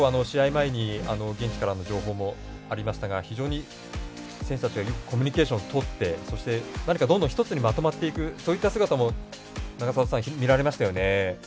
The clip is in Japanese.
前にベンチからの情報もありましたが非常に選手たちがよくコミュニケーションをとってそして、どんどん一つにまとまっていくそういった姿も見られましたね。